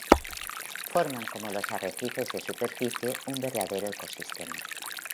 Forman, como los arrecifes de superficie, un verdadero ecosistema.